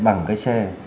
bằng cái xe